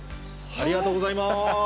ありがとうございます。